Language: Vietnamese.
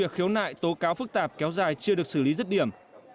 khiếu nại tố cáo phức tạp kéo dài chưa được xử lý rứt điểm